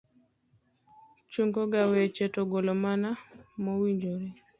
chungo ga weche to golo mana ma owinjore